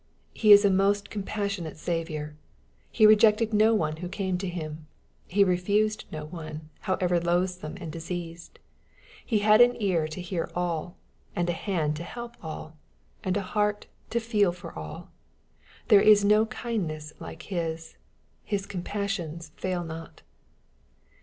He is a most compassionate Saviour. He rejected no one who came to Him. He refused no one, however loathsome and diseased. He had an ear to hear all, and a hand to help all, and a heart to feel for all. There is no kindness like His. His compassions fail not.